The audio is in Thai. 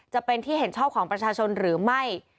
จะเป็นที่เห็นชอบของประชาชนหรือไม่